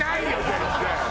全然。